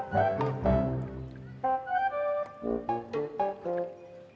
lihat tuh siapa yang menikuku banget